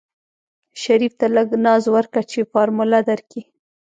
شريف ته لږ ناز ورکه چې فارموله درکي.